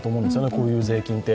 こういう税金って。